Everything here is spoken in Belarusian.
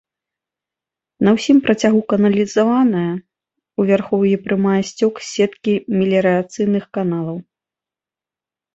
На ўсім працягу каналізаваная, у вярхоўі прымае сцёк з сеткі меліярацыйных каналаў.